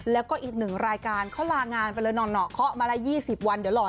แล้วก็อีกหนึ่งรายการเขาลางานไปเลยหน่อเคาะมาละ๒๐วันเดี๋ยวหล่อ